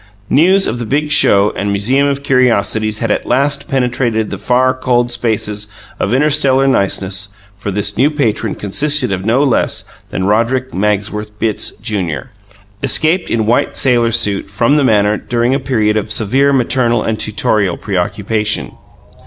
News of the Big Show and Museum of Curiosities had at last penetrated the far, cold spaces of interstellar niceness, for this new patron consisted of no less than Roderick Magsworth Bitts, Junior, escaped in a white "sailor suit" from the Manor during a period of severe maternal and tutorial preoccupation.